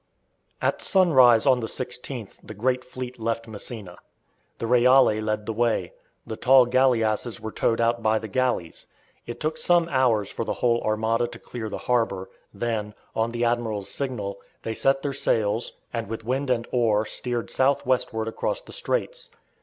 At sunrise on the 16th the great fleet left Messina. The "Reale" led the way; the tall galleasses were towed out by the galleys. It took some hours for the whole armada to clear the harbour, then, on the admiral's signal, they set their sails, and with wind and oar steered south westward across the straits.